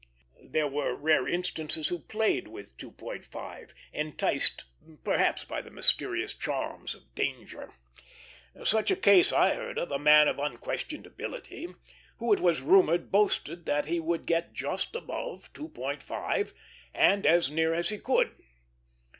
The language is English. There were rare instances who played with 2.5, enticed perhaps by the mysterious charms of danger. Such a case I heard of, a man of unquestioned ability, who it was rumored boasted that he would get just above 2.5, and as near as he could.